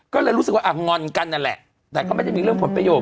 ก็เลยรู้สึกว่าอ่ะงอนกันนั่นแหละแต่ก็ไม่ได้มีเรื่องผลประโยชน